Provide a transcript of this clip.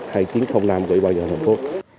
hay chiến không làm gửi bao giờ thành phố